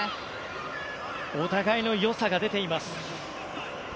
お互いの良さが出ています。